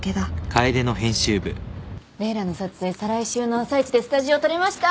レイラの撮影再来週の朝一でスタジオ取れました！